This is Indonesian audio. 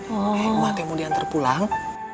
eh emak emang dia mau diantar pulang